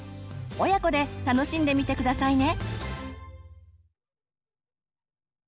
親子で楽しんでみて下さいね。